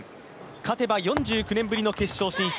勝てば４９年ぶりの決勝進出。